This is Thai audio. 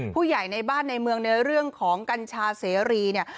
ผู้ใหญ่ในบ้านในเมืองในเรื่องของกัญชาเสรีเนี่ย